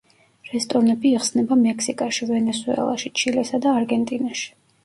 რესტორნები იხსნება მექსიკაში, ვენესუელაში, ჩილესა და არგენტინაში.